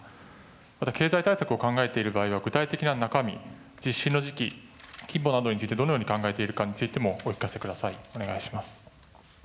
また、経済対策を考えている場合は、具体的な中身、実施の時期、規模などについて、どのように考えているかについてもお聞かせください。